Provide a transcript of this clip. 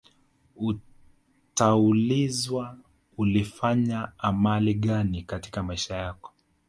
utaulizwa ulifanya amali gani katika maisha yako